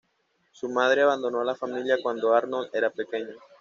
Su madre abandonó a la familia cuando Arnold era pequeño.